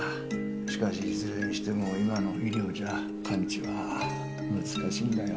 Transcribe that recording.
しかしいずれにしても今の医療じゃ完治は難しいんだよ